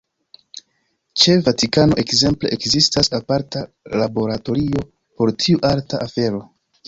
Ĉe Vatikano, ekzemple, ekzistas aparta laboratorio por tiu arta afero.